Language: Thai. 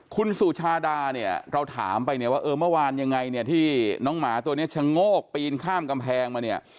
คุณสุชาดาเนี่ยเราถามไปเนี่ยว่าเออเมื่อวานยังไงเนี่ยที่น้องหมาตัวนี้ชะโงกปีนข้ามกำแพงมาเนี่ย